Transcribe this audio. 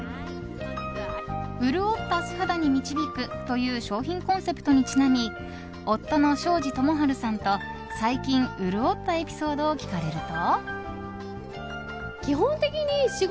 潤った素肌に導くという商品コンセプトにちなみ夫の庄司智春さんと最近、潤ったエピソードを聞かれると。